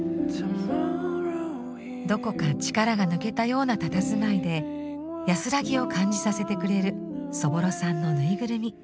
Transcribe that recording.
どこか力が抜けたようなたたずまいで安らぎを感じさせてくれるそぼろさんのぬいぐるみ。